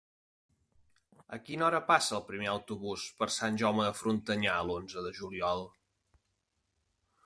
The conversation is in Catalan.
A quina hora passa el primer autobús per Sant Jaume de Frontanyà l'onze de juliol?